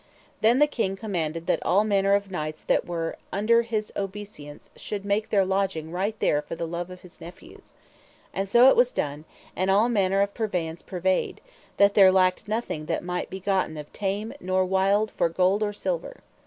Then the king commanded that all manner of knights that were under his obeissance should make their lodging right there for the love of his nephews. And so it was done, and all manner of purveyance purveyed, that there lacked nothing that might be gotten of tame nor wild for gold or silver.